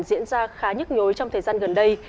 diễn ra khá nhức nhối trong thời gian gần đây